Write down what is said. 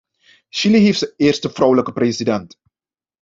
Chili heeft zijn eerste vrouwelijke president.